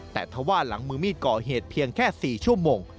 แต่ถ้าว่าหลังมือมีดก่อเหตุเพียงแค่๔ชั่วโมง